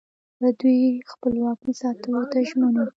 دوی خپلواکي ساتلو ته ژمن وو